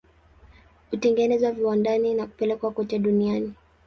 Hutengenezwa viwandani na kupelekwa kote duniani.